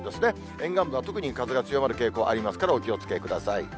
沿岸部は特に風が強まる傾向ありますから、お気をつけください。